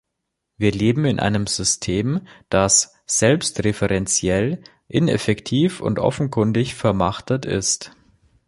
Wir leben in einem System, das selbstreferenziell, ineffektiv und offenkundig vermachtet ist.